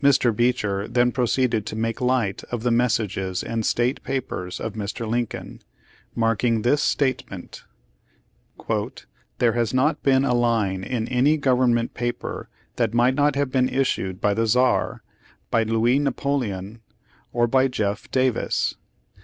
Mr. Beecher then proceeded to make light of the messages and state papers of Mr. Lincoln, making this statement: "There has not been a line in any government paper that might not have been issued by the Czar, by Louis Napo leon, or by Jeff. Davis!